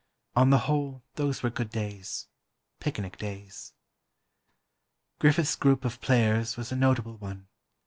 On the whole, those were good days—picnic days. Griffith's group of players was a notable one.